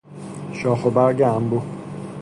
شاخوبرگ انبوه